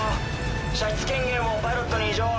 射出権限をパイロットに移譲。